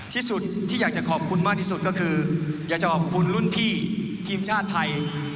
ที่สุดที่อยากจะขอบคุณมากที่สุดก็คืออยากจะขอบคุณรุ่นพี่ทีมชาติไทย